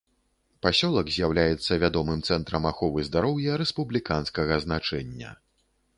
Пасёлак з'яўляецца вядомым цэнтрам аховы здароўя рэспубліканскага значэння.